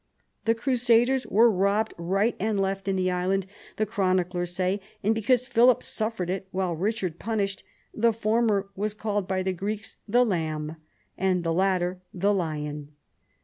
The crusaders were robbed right and left in the island, the chroniclers say, and because Philip suffered it while Eichard punished, the former was called by the Greeks "the Lamb," and the latter "the Lion."